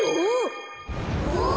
お？